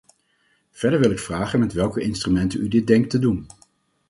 Verder wil ik vragen met welke instrumenten u dit denkt te doen.